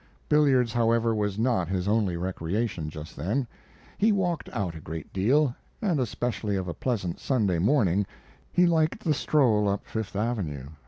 Billiards, however, was not his only recreation just then. He walked out a good deal, and especially of a pleasant Sunday morning he liked the stroll up Fifth Avenue.